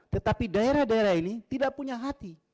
tetapi daerah daerah ini tidak punya hati